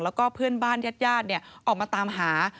แล้วก็เพื่อนเบ้ายาดออกมาตามหา